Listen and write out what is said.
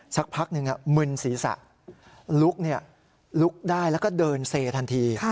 สักพักหนึ่งมึนศีรษะลุกลุกได้แล้วก็เดินเซทันที